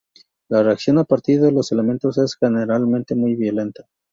La reacción a partir de los elementos es generalmente muy violenta.